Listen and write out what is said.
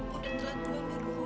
udah telah tua dulu